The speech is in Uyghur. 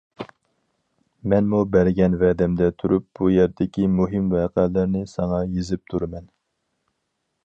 مەنمۇ بەرگەن ۋەدەمدە تۇرۇپ، بۇ يەردىكى مۇھىم ۋەقەلەرنى ساڭا يېزىپ تۇرىمەن.